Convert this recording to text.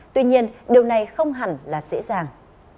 tuy nhiên điều này không hẳn là dễ dàng